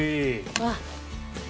うわっ。